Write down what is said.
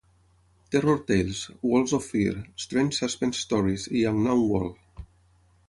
Terror Tales", "Worlds of Fear", "Strange Suspense Stories", i "Unknown World".